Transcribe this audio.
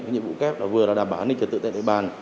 cái nhiệm vụ kép là vừa là đảm bảo hành lịch trật tự tại đại bàn